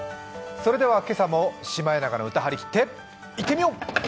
それでは今朝も「シマエナガの歌」はりきっていってみよう！